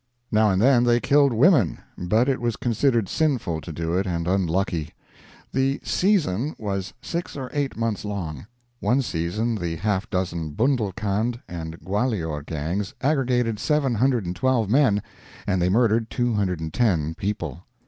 Now and then they killed women, but it was considered sinful to do it, and unlucky. The "season" was six or eight months long. One season the half dozen Bundelkand and Gwalior gangs aggregated 712 men, and they murdered 210 people.